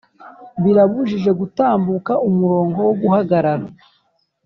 birabujijwe gutambuka umurongo wo guhagarara